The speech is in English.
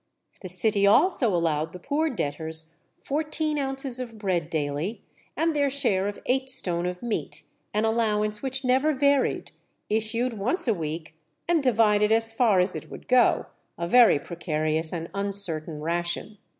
The city also allowed the poor debtors fourteen ounces of bread daily, and their share of eight stone of meat, an allowance which never varied, issued once a week, and divided as far as it would go a very precarious and uncertain ration.